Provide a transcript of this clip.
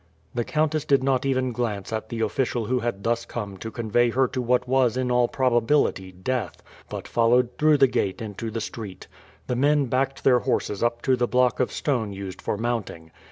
The countess did not even glance at the official who had thus come to convey her to what was in all probability death, but followed through the gate into the street. The men backed their horses up to the block of stone used for mounting.